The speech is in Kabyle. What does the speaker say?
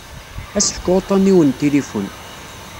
Ad as-fkeɣ uṭṭun-iw n tilifun.